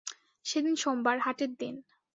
সেদিন সোমবার, হাটের দিন।